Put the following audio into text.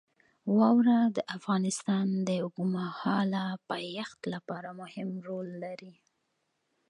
واوره د افغانستان د اوږدمهاله پایښت لپاره مهم رول لري.